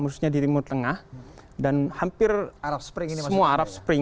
khususnya di timur tengah dan hampir semua arab spring